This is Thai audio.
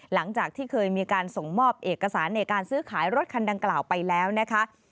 หลังจากที่เคยมีการส่งมอบเอกสารในการซื้อขายรถคันดังกล่าวไปแล้วนะคะ